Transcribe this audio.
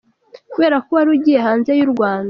Kubera ko wari ugiye hanze y’u Rwanda.